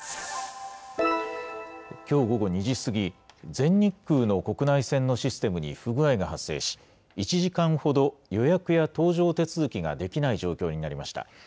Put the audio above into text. きょう午後２時過ぎ、全日空の国内線のシステムに不具合が発生し、１時間ほど予約や搭乗手続きができない状況になりました。